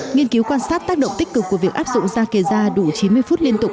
nghiên cứu quan sát tác động tích cực của việc áp dụng da kề da đủ chín mươi phút liên tục